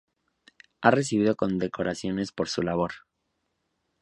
Ha recibido condecoraciones por su labor.